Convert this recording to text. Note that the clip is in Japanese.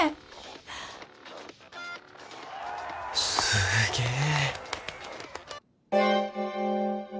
すげえ！